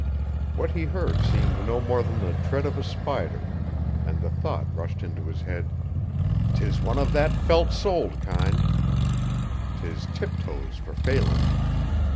What he heard seemed no more than the tread of a spider, and the thought rushed into his head: "'Tis one of that felt soled kind. 'Tis tip toes for Phelan."